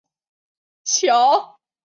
乔恩经常和不同的女性约会。